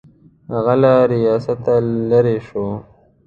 هغه له ریاسته لیرې شو.